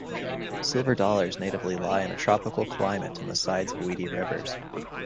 Silver dollars natively live in a tropical climate in the sides of weedy rivers.